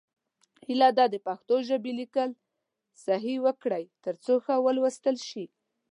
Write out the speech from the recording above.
هیله ده د پښتو ژبې لیکل صحیح وکړئ، تر څو ښه ولوستل شي.